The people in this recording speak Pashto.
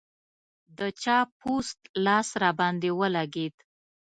د چا پوست لاس راباندې ولګېد.